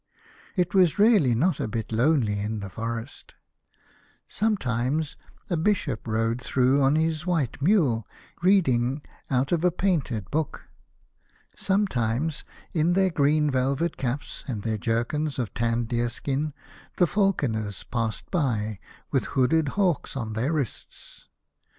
It was really not a bit lonely in the forest. Sometimes a Bishop rode 50 The Birthday of the Infanta. through on his white mule, reading out of a painted book. Sometimes in their green velvet caps, and their jerkins of tanned deerskin, the falconers passed by, with hooded hawks on their wrists.